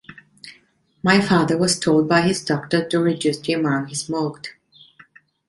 My father was told by his doctor to reduce the amount he smoked.